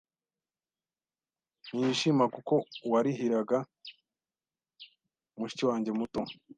ntiyishima kuko uwarihiraga mushiki wanjye muto